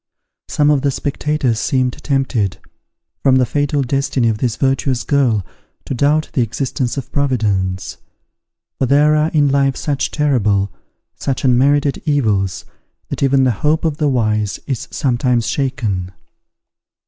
Some of the spectators seemed tempted, from the fatal destiny of this virtuous girl, to doubt the existence of Providence: for there are in life such terrible, such unmerited evils, that even the hope of the wise is sometimes shaken.